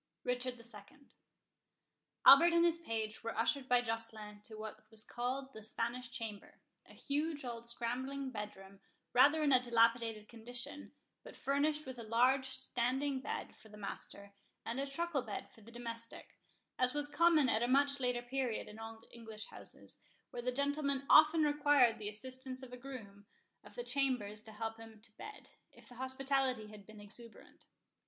RICHARD II Albert and his page were ushered by Joceline to what was called the Spanish Chamber, a huge old scrambling bedroom, rather in a dilapidated condition, but furnished with a large standing bed for the master, and a truckle bed for the domestic, as was common at a much later period in old English houses, where the gentleman often required the assistance of a groom of the chambers to help him to bed, if the hospitality had been exuberant.